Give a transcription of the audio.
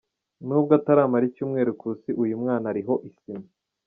Nubwo ataramara icyumweru ku isi, uyu mwana ariho isima.